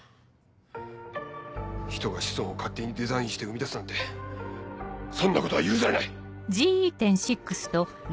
人が子孫を勝手にデザインして生み出すなんてそんなことは許されない。